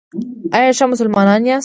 ایا ښه مسلمان یاست؟